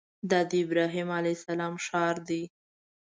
دا د ابراهیم علیه السلام ښار دی.